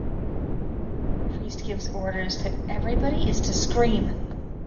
The priest gives orders that everybody is to scream.